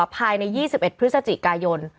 ภายใน๒๑พฤศจิกายน